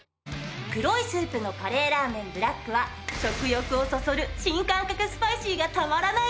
黒いスープのカレーらーめんブラックは食欲をそそる新感覚スパイシーがたまらない一杯。